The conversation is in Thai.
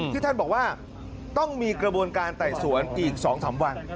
ที่ท่านบอกว่าต้องมีกระบวนการไต่สวนอีก๒๓วัน